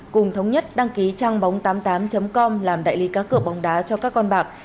cùng thống nhất đăng ký trang bóng tám mươi tám com làm đại lý cá cửa bóng đá cho các con bạc